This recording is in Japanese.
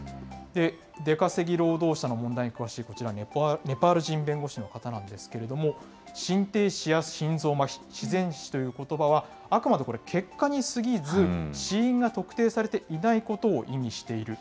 出稼ぎ労働者の問題に詳しいこちら、ネパール人弁護士の方なんですけれども、心停止や心臓まひ、自然死ということばは、あくまでこれは結果に過ぎず、死因が特定されていないことを意味している。